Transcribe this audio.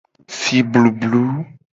Si blublu.